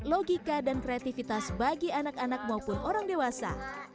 logika dan kreativitas bagi anak anak maupun orang dewasa